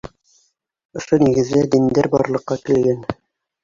Ошо нигеҙҙә диндәр барлыҡҡа килгән.